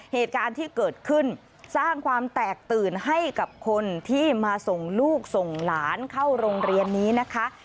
เหตุการณ์ที่เกิดขึ้นสร้างความแตกตื่นให้กับคนที่มาส่งลูกส่งหลานเข้าโรงเรียนนี้นะคะ